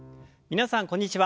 皆さんこんにちは。